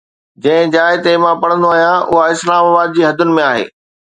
جنهن جاءِ تي مان پڙهندو آهيان، اها اسلام آباد جي حدن ۾ آهي